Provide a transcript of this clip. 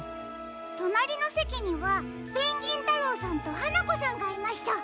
となりのせきにはペンギンたろうさんとはなこさんがいました。